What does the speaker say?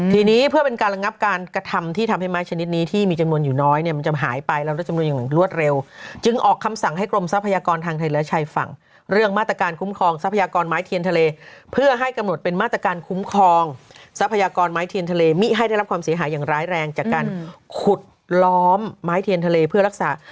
ทีนี้เพื่อเป็นการระงับการกระทำที่ทำให้ไม้ชนิดนี้ที่มีจำนวนอยู่น้อยเนี่ยมันจะหายไปเราลดจำนวนอย่างรวดเร็วจึงออกคำสั่งให้กรมทรัพยากรทางทะเลและชายฝั่งเรื่องมาตรการคุ้มครองทรัพยากรไม้เทียนทะเลเพื่อให้กำหนดเป็นมาตรการคุ้มครองทรัพยากรไม้เทียนทะเลมิให้ได้รับความเสียหายอย่างร้ายแรงจากการขุดล้อมไม้เทียนทะเลเพื่อรักษา